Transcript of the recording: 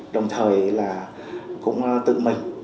đồng thời là cũng tự mình